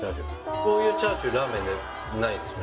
こういうチャーシューラーメンでないですね